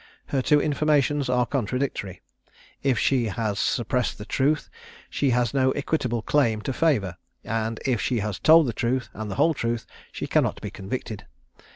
Her two informations are contradictory: if she has suppressed the truth, she has no equitable claim to favour; and if she has told the truth, and the whole truth, she cannot be convicted.